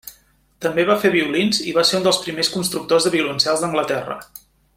També va fer violins, i va ser un dels primers constructors de violoncels d'Anglaterra.